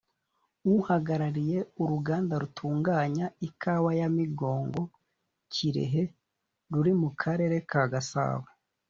uhagarariye uruganda rutunganya ikawa ya ‘Migongo’(Kirehe) ruri mu karere ka Gasabo